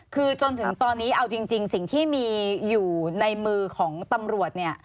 คือจนถึงตอนนี้เอาจริงสิ่งที่มีอยู่ในมือของตำรวจเนี่ย